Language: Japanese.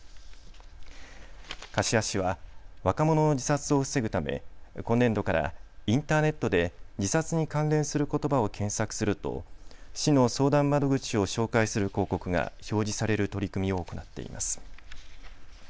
柏市は若者の自殺を防ぐため今年度からインターネットで自殺に関連することばを検索すると市の相談窓口を紹介する広告が表示される取り組みを行っています。